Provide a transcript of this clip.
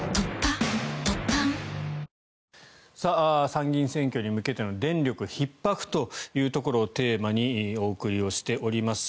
参議院選挙に向けての電力ひっ迫というところをテーマにお送りをしております。